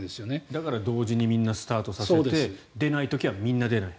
だから同時にみんなスタートさせて出ない時はみんな出ない。